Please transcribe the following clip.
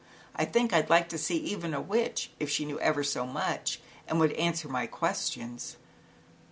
\\ i I think I'd like to see even a Witch, if she knew ever so much and would answer my questions."